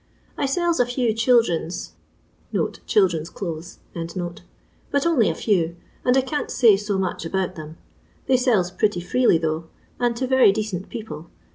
" I sells a few children's (children's clothes), but only a few, and I can't say so much about them. They sells pretty freely though, and to very decent people.